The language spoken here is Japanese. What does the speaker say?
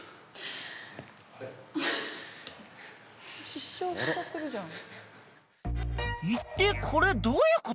失笑しちゃってるじゃん。